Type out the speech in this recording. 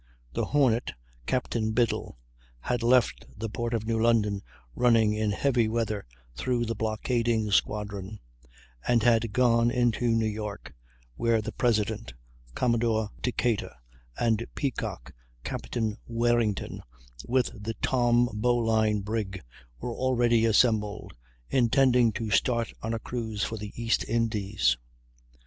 The Hornet, Capt. Biddle, had left the port of New London, running in heavy weather through the blockading squadron, and had gone into New York, where the President, Commodore Decatur, and Peacock, Capt. Warrington, with the Tom Bowline brig were already assembled, intending to start on a cruise for the East Indies.